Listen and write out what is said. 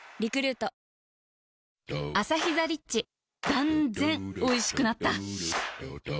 断然おいしくなった